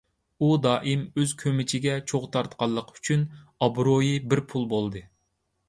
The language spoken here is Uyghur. ئۇ دائىم ئۆز كۆمىچىگە چوغ تارتقانلىقى ئۈچۈن، ئابرۇيى بىر پۇل بولدى.